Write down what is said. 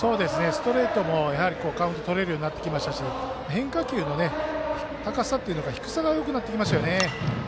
ストレートも、やはりカウントとれるようになってきましたし変化球も低さがよくなってきましたね。